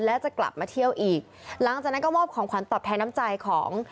และจะกลับมาเที่ยวอีกหลังจากนั้นก็มอบของขวัญตอบแทนน้ำใจของ